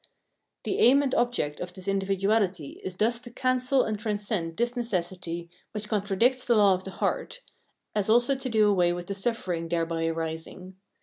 The aim and object of this individuahty is thus to cancel and transcend this necessity which contradicts the law of the heart, as also to do away with the suffer ing thereby arising.